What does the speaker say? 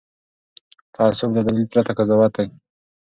تعصب له دلیل پرته قضاوت دی